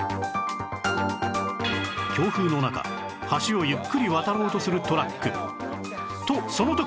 強風の中橋をゆっくり渡ろうとするトラックとその時！